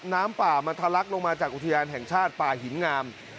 น้ำป่ามันทะลักลงมาจากอุทยานแห่งชาติป่าหินงาม